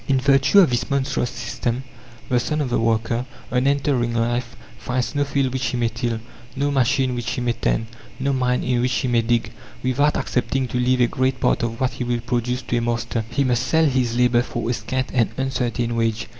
In virtue of this monstrous system, the son of the worker, on entering life, finds no field which he may till, no machine which he may tend, no mine in which he may dig, without accepting to leave a great part of what he will produce to a master. He must sell his labour for a scant and uncertain wage.